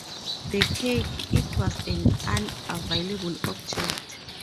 The cake, it was an available object.